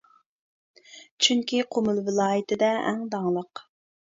چۈنكى قۇمۇل ۋىلايىتى دە ئەڭ داڭلىق.